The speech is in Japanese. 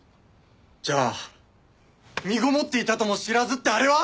じゃあ「身ごもっていたとも知らず」ってあれは？